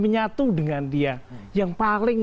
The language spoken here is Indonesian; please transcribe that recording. menyatu dengan dia yang paling